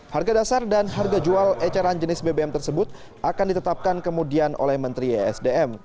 harga dasar dan harga jual eceran jenis bbm tersebut akan ditetapkan kemudian oleh menteri esdm